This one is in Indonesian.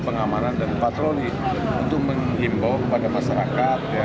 pengamanan dan patroli untuk menghimbau kepada masyarakat